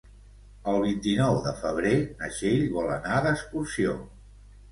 El vint-i-nou de febrer na Txell vol anar d'excursió.